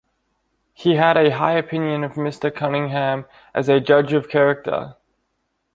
He had a high opinion of Mr Cunningham as a judge of character.